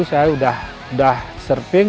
saya sudah surfing